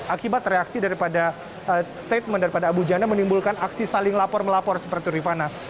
akibat reaksi daripada statement daripada abu janda menimbulkan aksi saling lapor melapor seperti rifana